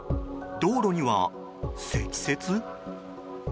道路には、積雪？